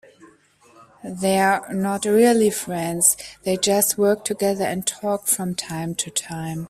They are not really friends, they just work together and talk from time to time.